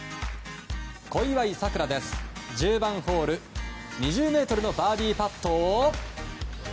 小祝さくら、１０番ホール２０ｍのバーディーパットを。